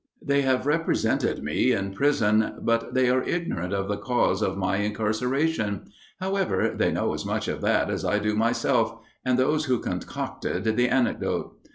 "They have represented me in prison; but they are ignorant of the cause of my incarceration; however, they know as much of that as I do myself, and those who concocted the anecdote.